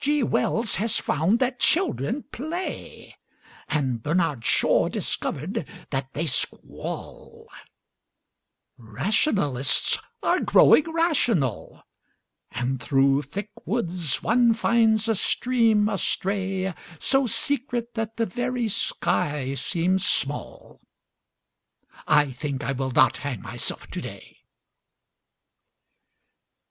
G. Wells has found that children play, And Bernard Shaw discovered that they squall; Rationalists are growing rational And through thick woods one finds a stream astray, So secret that the very sky seems small I think I will not hang myself today.